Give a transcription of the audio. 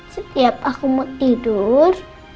setiap aku mau tidur